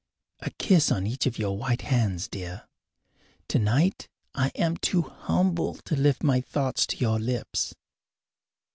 A kiss on each of your white hands, dear. Tonight I am too humble to lift my thoughts to your lips.